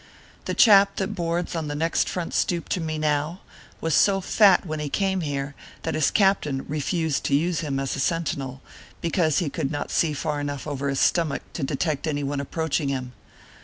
The chap that boards on the next front stoop to me now, was so fat when he came here that his captain refused to use him as a sentinel, because he could not see far enough over his stomach to detect any one approaching him.